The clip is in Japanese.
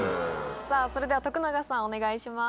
それでは徳永さんお願いします。